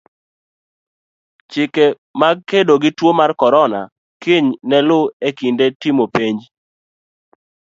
Chike mag kedo gi tuo mar korona kiny ne luu e kinde timo penj.